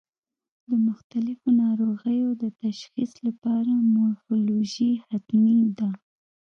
د مختلفو ناروغیو د تشخیص لپاره مورفولوژي حتمي ده.